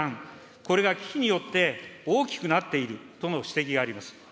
これが危機によって大きくなっているとの指摘があります。